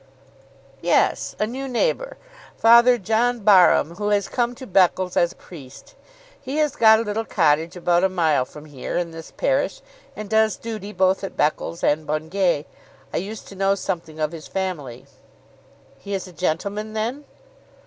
"Yes, a new neighbour; Father John Barham, who has come to Beccles as priest. He has got a little cottage about a mile from here, in this parish, and does duty both at Beccles and Bungay. I used to know something of his family." "He is a gentleman then?"